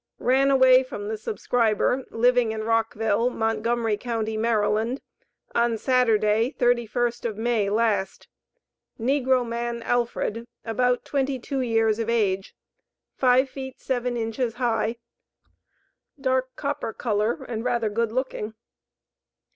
Ran away from the subscriber, living in Rockville. Montgomery county, Md., on Saturday, 31st of May last, NEGRO MAN, ALFRED, about twenty two years of age; five feet seven inches high; dark copper color, and rather good looking.